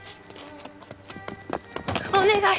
お願い！